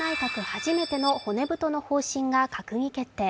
初めての骨太の方針が閣議決定。